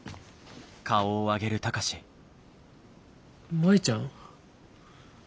舞ちゃん。